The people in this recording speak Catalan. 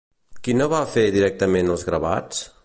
Qui no va fer directament els gravats?